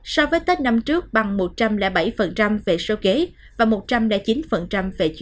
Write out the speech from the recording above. so với tết năm trước bằng một trăm linh bảy về số ghế và một trăm linh chín về số khách